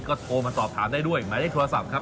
ก็โทรมาสอบถามได้ด้วยหมายเลขโทรศัพท์ครับ